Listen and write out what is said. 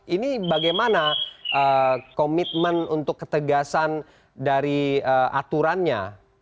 ini bagaimana komitmen untuk ketegasan dari aturannya